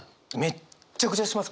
めっちゃくちゃします